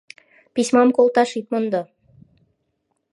Письмам колташ ит мондо.